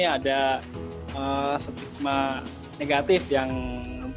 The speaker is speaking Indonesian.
ada stigma negatif yang